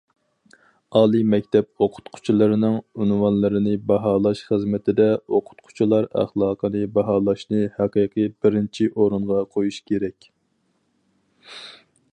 ئالىي مەكتەپ ئوقۇتقۇچىلىرىنىڭ ئۇنۋانلىرىنى باھالاش خىزمىتىدە« ئوقۇتقۇچىلار ئەخلاقىنى باھالاشنى ھەقىقىي بىرىنچى ئورۇنغا قويۇش» كېرەك.